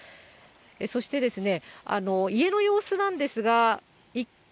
そして家の様子なんですが。